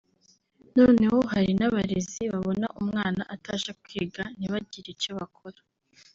noneho hari n’abarezi babona umwana ataje kwiga ntibagire icyo bakora